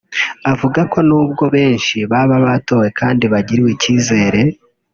Avuga ko n’ubwo benshi baba batowe kandi bagiriwe icyizere